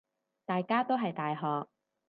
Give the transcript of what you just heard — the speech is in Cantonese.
大家都係大學